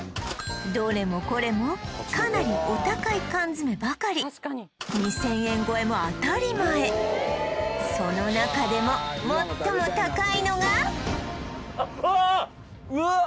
どれもこれもかなりお高い缶詰ばかり２０００円超えも当たり前その中でも最も高いのがあっうわっ！